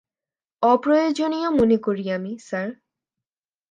অপ্রয়োজনীয় মনে করি আমি, স্যার।